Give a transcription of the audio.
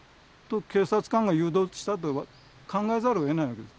警察官が誘導したと考えざるをえないわけです。